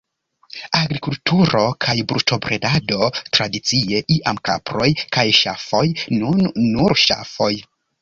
Agrikulturo kaj brutobredado tradicie, iam kaproj kaj ŝafoj, nun nur ŝafoj.